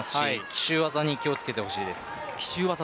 奇襲技に気をつけてほしいです。